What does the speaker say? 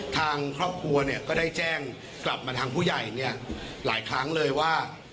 ทางครอบครัวเนี่ยก็ได้แจ้งกลับมาทางผู้ใหญ่เนี่ยหลายครั้งเลยว่า